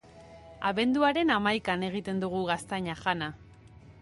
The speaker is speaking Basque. Abenduaren hamaikan egiten dugu gaztaina jana.